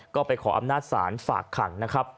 ก็ไปขออำนาจศาลฝากขัง